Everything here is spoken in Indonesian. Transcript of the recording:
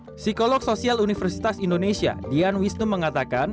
psikolog sosial universitas indonesia dian wisnu mengatakan